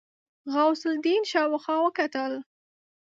غوث الدين شاوخوا وکتل.